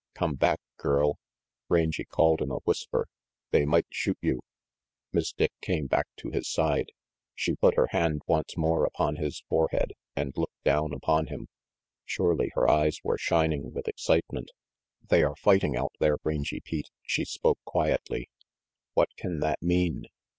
"Come back, girl," Rangy called in a whisper. "They might shoot you/' Miss Dick came back to his side. She put her hand once more upon his forehead, and looked down upon him. Surely her eyes were shining with excitement. "They are fighting out there, Rangy Pete," she spoke quietly. "What can that mean?"